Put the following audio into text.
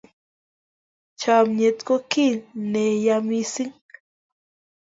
chamyet ko kiy ne ya missing